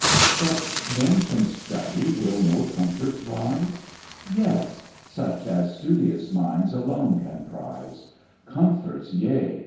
"But then from Study will no comforts rise?" Yes! such as studious minds alone can prize; Comforts, yea!